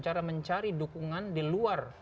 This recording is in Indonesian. cara mencari dukungan di luar